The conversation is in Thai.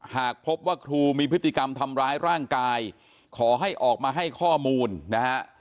หากพบว่าครูมีพฤติกรรมทำร้ายร่างกายขอให้ออกมาให้ข้อมูลนะฮะ